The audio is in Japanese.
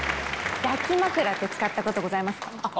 抱き枕って使ったことございますか？